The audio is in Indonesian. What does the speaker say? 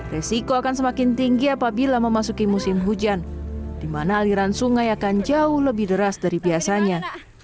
resiko akan semakin tinggi apabila memasuki musim hujan di mana aliran sungai akan jauh lebih deras dari biasanya